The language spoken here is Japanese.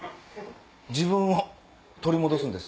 自分を取り戻すんです。